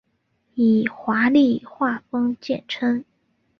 以华丽画风见称。